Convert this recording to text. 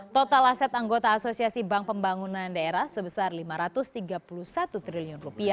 total aset anggota asosiasi bank pembangunan daerah sebesar rp lima ratus tiga puluh satu triliun